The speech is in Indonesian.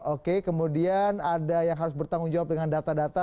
oke kemudian ada yang harus bertanggung jawab dengan data data